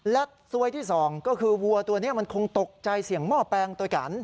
และซวยที่๒ก็คือวัวตัวนี้มันคงตกใจเสี่ยงหม้อแปลงตัวกัน